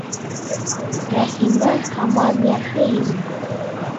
Рәхимә һаман ярһый ине: